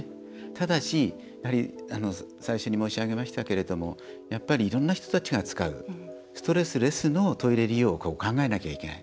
ただし最初に申し上げましたけどもいろんな人たちが使うストレスレスのトイレ利用を考えなきゃいけない。